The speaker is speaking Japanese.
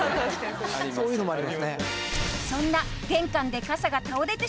そういうのもありますね。